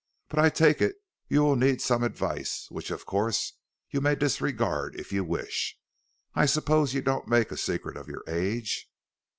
But I take it you will need some advice which, of course, you may disregard if you wish. I suppose you don't make a secret of your age?"